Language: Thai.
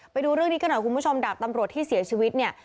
ไปดูเรื่องนี้กันหน่อยคุณผู้ชมดาบตำรวจที่เสียชีวิตเนี่ย